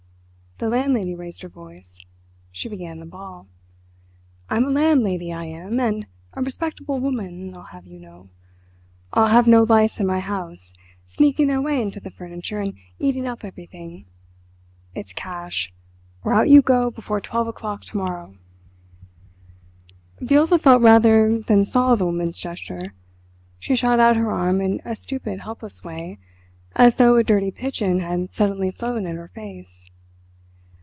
The landlady raised her voice; she began to bawl. "I'm a landlady, I am, and a respectable woman, I'll have you know. I'll have no lice in my house, sneaking their way into the furniture and eating up everything. It's cash—or out you go before twelve o'clock to morrow." Viola felt rather than saw the woman's gesture. She shot out her arm in a stupid helpless way, as though a dirty pigeon had suddenly flown at her face.